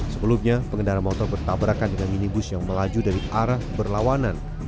sebelumnya pengendara motor bertabrakan dengan minibus yang melaju dari arah berlawanan